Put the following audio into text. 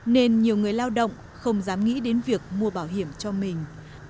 nên nhiều người lao động không dám nghĩ đến việc mua bảo hiểm cho mình